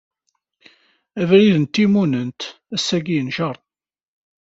Abrid n timunent, ass-agi yenǧeṛ.